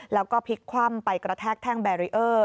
แล้วก็พลิกคว่ำไปกระแทกแท่งแบรีเออร์